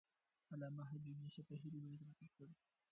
علامه حبیبي شفاهي روایت نقل کړی.